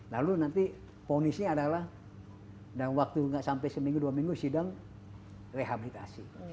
lalu nanti ponisnya adalah dan waktu nggak sampai seminggu dua minggu sidang rehabilitasi